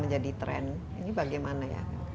menjadi tren ini bagaimana ya